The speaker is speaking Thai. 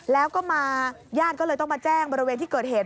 แล้วก็มาญาติก็เลยต้องมาแจ้งบริเวณที่เกิดเหตุ